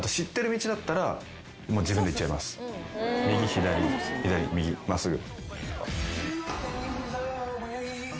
「右左左右真っすぐ」